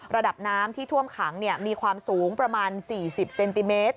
ระดับน้ำที่ท่วมขังมีความสูงประมาณ๔๐เซนติเมตร